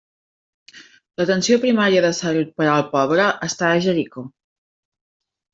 L'atenció primària de salut per al poble està a Jericó.